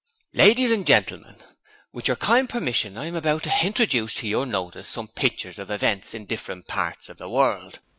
'Ladies and Gentlemen: with your kind permission I am about to hinterduce to your notice some pitchers of events in different parts of the world.